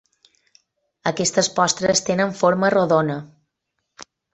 Aquestes postres tenen forma rodona.